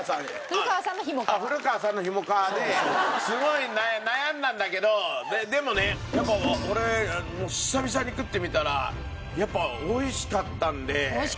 ふる川さんのひもかわですごい悩んだんだけどでもね俺久々に食ってみたらやっぱ美味しかったんで。